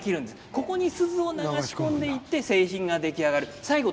ここにすずを流し込んで製品が出来上がる。